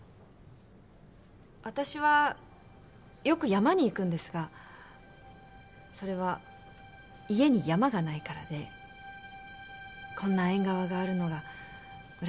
私はよく山に行くんですがそれは家に山がないからでこんな縁側があるのが羨ましいです。